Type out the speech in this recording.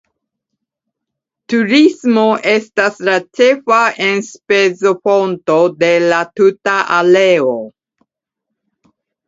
Turismo estas la ĉefa enspezofonto de la tuta areo.